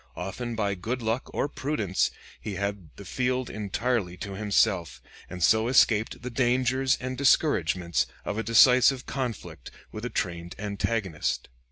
Often by good luck or prudence he had the field entirely to himself, and so escaped the dangers and discouragements of a decisive conflict with a trained antagonist."